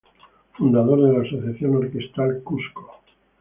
Fundador de la Asociación Orquestal Cusco.